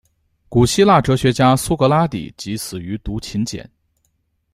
古希腊哲学家苏格拉底即死于毒芹碱。